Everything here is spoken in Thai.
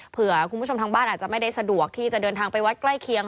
เผื่อคุณผู้ชมทางบ้านอาจจะไม่ได้สะดวกที่จะเดินทางไปวัดใกล้เคียง